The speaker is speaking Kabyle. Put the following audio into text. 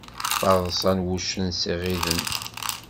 Taḍsa n wuccen s iɣiden.